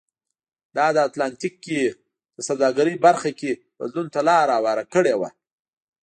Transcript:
دا د اتلانتیک کې د سوداګرۍ برخه کې بدلون ته لار هواره کړې وه.